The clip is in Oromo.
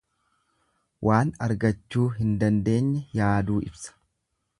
Waan argachuu hin dandeenye yaaduu ibsa.